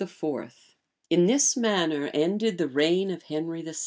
[] In this manner ended the reign of Henry VI.